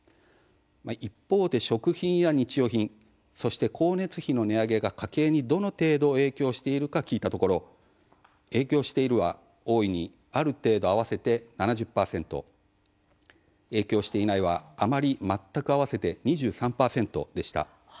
一方で、食品や日用品そして光熱費の値上げが家計にどの程度、影響しているか聞いたところ「影響している」は、「大いに」「ある程度」合わせて７０％「影響していない」は「あまり」「全く」合わせて２３％でした。